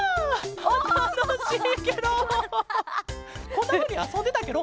こんなふうにあそんでたケロ？